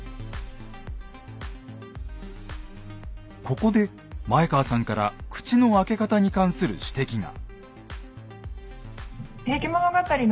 ここで前川さんから口の開け方に関する指摘が。